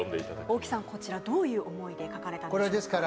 大木さん、こちらどういう思いで書かれたんでしょうか。